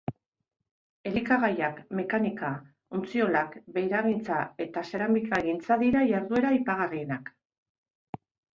Elikagaiak, mekanika, ontziolak, beiragintza eta zeramikagintza dira jarduera aipagarrienak.